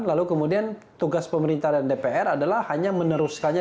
lalu kemudian tugas pemerintah dan dpr adalah hanya meneruskannya